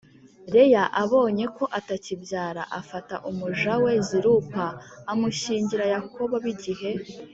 Leya abonye ko atakibyara afata umuja we Zilupa amushyingira Yakobo b Igihe